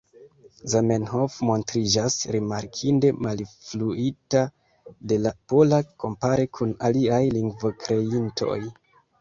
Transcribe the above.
Zamenhof montriĝas rimarkinde malinfluita de la pola, kompare kun aliaj lingvokreintoj.